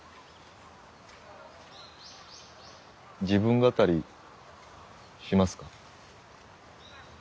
自分語りしますか？